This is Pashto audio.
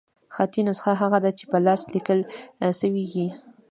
خطي نسخه هغه ده، چي په لاس ليکل سوې يي.